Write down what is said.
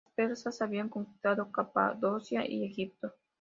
Los persas habían conquistado Capadocia y Egipto.